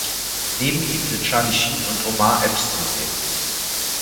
Neben ihm sind Charlie Sheen und Omar Epps zu sehen.